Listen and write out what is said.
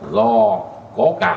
do có cả